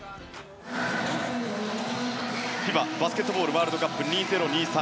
ＦＩＢＡバスケットボールワールドカップ２０２３